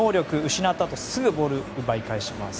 失ったあとすぐボールを奪い返します。